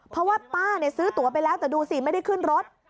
เพราะว่าป้าซื้อตัวไปแล้วแต่ดูสิไม่ได้ขึ้นรถ